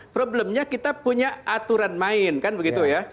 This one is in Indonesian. problemnya kita punya aturan main kan begitu ya